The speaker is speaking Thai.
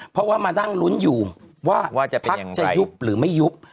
เพราะว่ามานั่งลุ้นอยู่ว่าพักจะยุบหรือไม่ยุบ